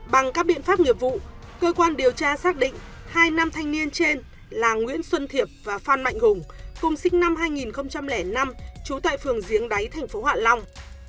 bằng các biện pháp nghiệp vụ cơ quan điều tra xác định hai nam thanh niên trên là nguyễn xuân thiệp và phan mạnh hùng cùng sinh năm hai nghìn năm trú tại phường giếng đáy tp hạ long